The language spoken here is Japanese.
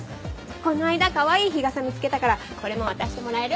この間かわいい日傘見つけたからこれも渡してもらえる？